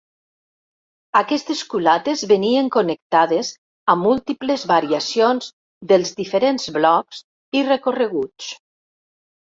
Aquestes culates venien connectades a múltiples variacions dels diferents blocs i recorreguts.